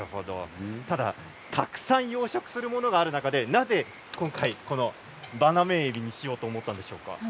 ただたくさん養殖するものがある中でなぜ今回、バナメイエビにしようと思われたんでしょうか。